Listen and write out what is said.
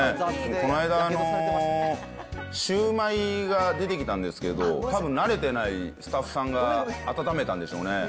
この間、シューマイが出てきたんですけど、多分慣れてないスタッフさんが温めたんでしょうね。